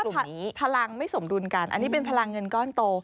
เพราะฉะนั้นพลังไม่สมดุลกันอันนี้เป็นพลังเงินก้อนโต